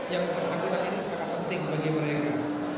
yang bersangkutan ini sangat penting bagi mereka